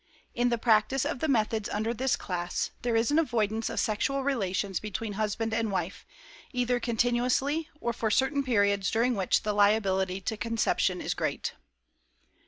In the practice of the methods under this class, there is an avoidance of sexual relations between husband and wife, either continuously or for certain periods during which the liability to conception is great.